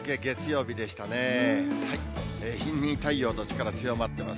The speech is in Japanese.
日に日に太陽の力強まってます。